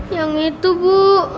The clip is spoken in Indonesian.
yang itu bu